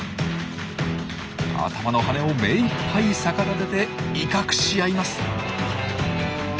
頭の羽を目いっぱい逆立てて威嚇し合います。